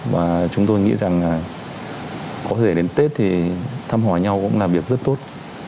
và chúng tôi nghĩ rằng là có thể đến tết thì thăm hỏi nhau cũng là việc rất tốt